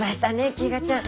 キィガーちゃん。